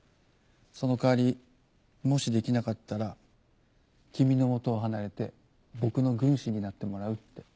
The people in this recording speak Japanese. その代わりもしできなかったら君の元を離れて僕の軍師になってもらうって。